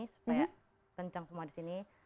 supaya kencang semua disini